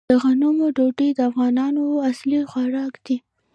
د غنمو ډوډۍ د افغانانو اصلي خوراک دی.